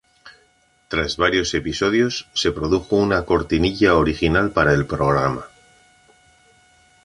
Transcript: Tras varios episodios, se produjo una cortinilla original para el programa.